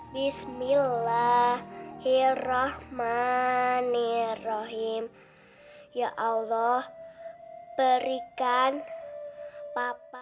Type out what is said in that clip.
bismillahirrahmanirrahim ya allah berikan papa